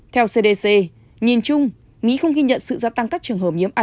theo cdc nhìn chung mỹ không ghi nhận sự gia tăng các trường hợp nhiễm ase